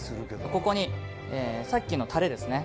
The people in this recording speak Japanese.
ここにさっきのタレですね。